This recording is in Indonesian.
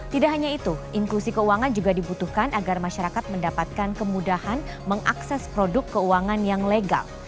tidak hanya itu inklusi keuangan juga dibutuhkan agar masyarakat mendapatkan kemudahan mengakses produk keuangan yang legal